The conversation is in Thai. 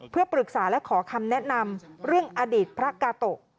เพื่อปรึกษาและขอคำแนะนำเรื่องอดีตพระกาโตะ